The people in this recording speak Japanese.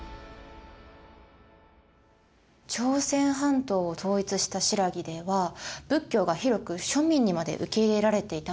朝鮮半島を統一した新羅では仏教が広く庶民にまで受け入れられていたんですね。